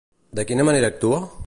De quina manera actua?